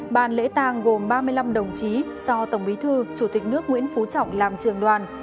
bàn lễ tàng gồm ba mươi năm đồng chí do tổng bí thư chủ tịch nước nguyễn phú trọng làm trường đoàn